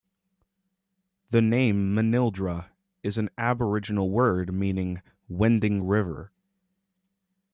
The name Manildra is an aboriginal word meaning 'winding river'.